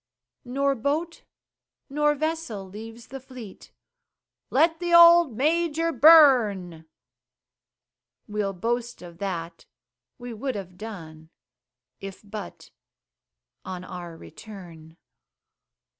Nor boat nor vessel leaves the fleet "Let the old Major burn" We'll boast of that we would have done, If but on our return.